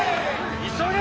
急げ！